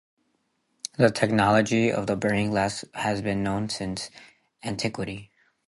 The technology of the burning glass has been known since antiquity.